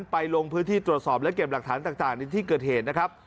ลงพื้นที่ตรวจสอบและเก็บหลักฐานต่างในที่เกิดเหตุนะครับ